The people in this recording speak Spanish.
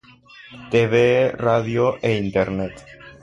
Tv, Radio e Internet.